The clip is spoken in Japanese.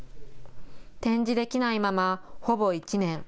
展示できないまま、ほぼ１年。